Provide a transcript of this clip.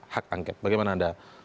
hak angket bagaimana anda